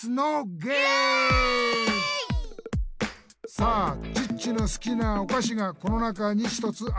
「さあチッチの好きなお菓子がこの中に一つありますよ。」